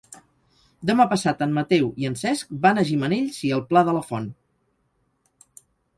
Demà passat en Mateu i en Cesc van a Gimenells i el Pla de la Font.